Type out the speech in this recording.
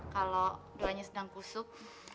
kalau doanya sedang kusuk